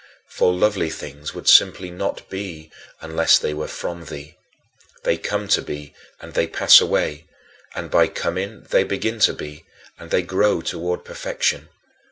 For lovely things would simply not be unless they were from thee. They come to be and they pass away, and by coming they begin to be, and they grow toward perfection.